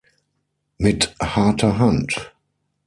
Mit harter Hand.